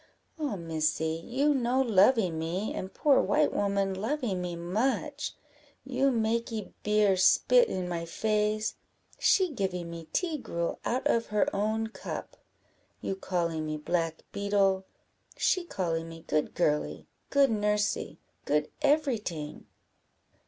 "Ah, Missy! you no lovee me, and poor white woman lovee me much. You makee beer spit in my face she givee me tea gruel out of her own cup. You callee me black beetle she callee me good girly, good nursy, good every ting."